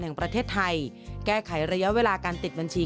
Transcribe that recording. แห่งประเทศไทยแก้ไขระยะเวลาการติดบัญชี